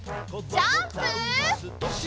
ジャンプ！